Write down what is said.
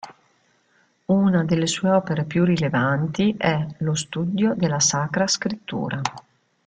Una delle sue opere più rilevanti è "Lo studio della sacra scrittura".